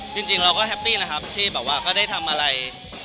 จริงเราก็แฮปปี้นะครับที่แบบว่าก็ได้ทำอะไร